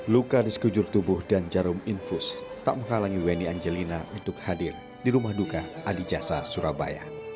luka di sekujur tubuh dan jarum infus tak menghalangi weni angelina untuk hadir di rumah duka adijasa surabaya